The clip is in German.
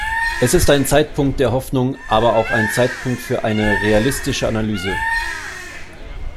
Es ist ein Zeitpunkt der Hoffnung, aber auch ein Zeitpunkt für eine realistische Analyse.